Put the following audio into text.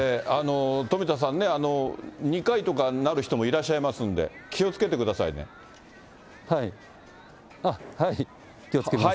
富田さんね、２回とかなる人もいらっしゃいますんで、気をつはい、気をつけます。